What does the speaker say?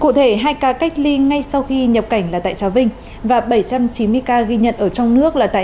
cụ thể hai ca cách ly ngay sau khi nhập cảnh là tại trà vinh và bảy trăm chín mươi ca ghi nhận ở trong nước là tại